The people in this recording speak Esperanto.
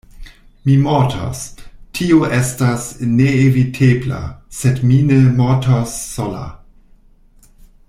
Mi mortos; tio estas neevitebla: sed mi ne mortos sola.